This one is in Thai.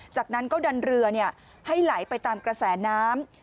จากนั้นก็ดันเรือให้ไหลไปตามกระแสน้ำ